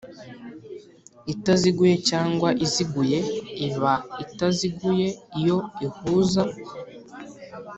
itaziguye cyangwa iziguye Iba itaziguye iyo ihuza